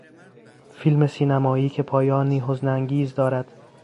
فیلم سینمایی که پایانی حزن انگیز دارد.